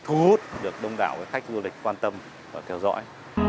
thu hút được đông đảo với khách du lịch quan tâm và theo dõi